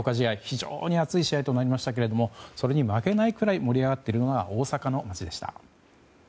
非常に熱い試合となりましたがそれに負けないぐらい盛り上がっているのが大阪の街でした。